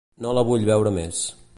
No la vull veure més.